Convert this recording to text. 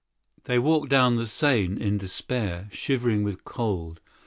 They went toward the Seine in despair, shivering with cold.